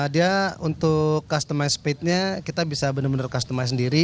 dia untuk customize speed nya kita bisa benar benar customize sendiri